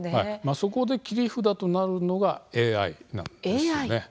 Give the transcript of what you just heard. そこで切り札となるのがＡＩなんです。